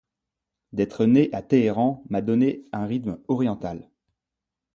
D'être née à Téhéran m'a donné un rythme oriental.